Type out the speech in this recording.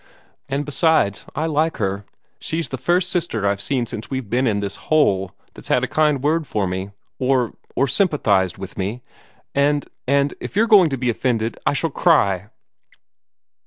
And, besides, I like her. She's the first sister I've seen since we've been in this hole that's had a kind word for me or or sympathized with me! And and if you're going to be offended I shall cry!"